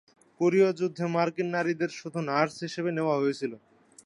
কোরীয় যুদ্ধে মার্কিন নারীদের শুধু নার্স হিসেবে নেওয়া হয়েছিলো।